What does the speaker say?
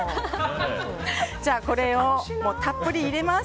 これをたっぷり入れます。